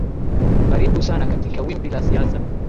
karibu sana katika wimbi la siasa